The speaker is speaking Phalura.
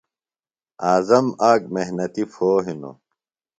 اعظم آک محنتیۡ پھو ہِنوۡ۔